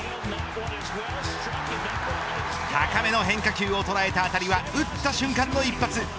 高めの変化球を捉えた当たりは打った瞬間の一発。